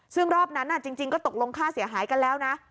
ซึ่งรอบนั้นจริงก็ตกลงค่าเสียหายกันแล้วนะ